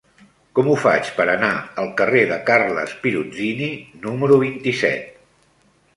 Com ho faig per anar al carrer de Carles Pirozzini número vint-i-set?